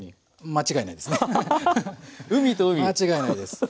間違いないです！